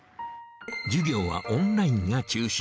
授業はオンラインが中心。